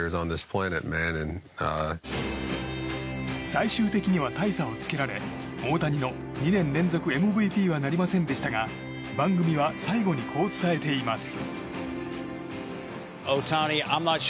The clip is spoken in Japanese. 最終的には大差をつけられ大谷の２年連続ＭＶＰはなりませんでしたが番組は最後にこう伝えています。